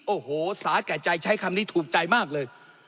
โอ้โหสาแก่ใจใช้คำนี้ถูกใจมากเลย